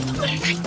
udah beliin ya